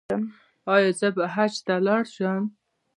ایا زه به حج ته لاړ شم؟